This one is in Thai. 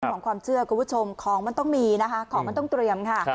ของความเชื่อคุณผู้ชมของมันต้องมีนะคะของมันต้องเตรียมค่ะ